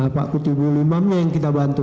pak kutubul imamnya yang kita bantu